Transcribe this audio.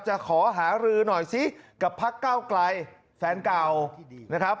ขอหารือหน่อยซิกับพักเก้าไกลแฟนเก่านะครับ